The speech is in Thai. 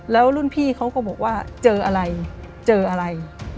แล้วรุ่นพี่เขาก็บอกว่าเจออะไรเจออะไร